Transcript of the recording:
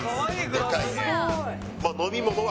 でかいね。